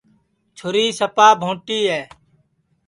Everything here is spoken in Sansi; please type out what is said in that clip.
چھُری سپا بھونٚٹی ہے